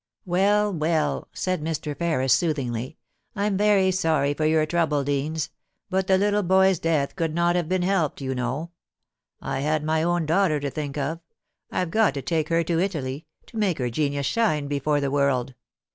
* Well, well !' said Mr. Ferris, soothingly, * I'm very sorr}' for your trouble. Deans, but the little boy's death could not have been helped, you know. I had my own daughter to think of — I've got to take her to Italy — to make her genius shine before the world.